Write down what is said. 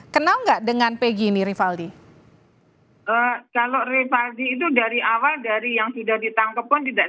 kenal nggak dengan pegi ini rivaldi kalau rivaldi itu dari awal dari yang sudah ditangkap pun tidak